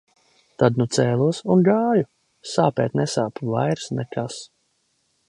Tad nu cēlos un gāju. Sāpēt nesāp vairs nekas.